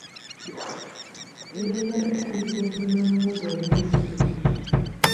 Tugenda kutandika okulima muwogo omwezi guno.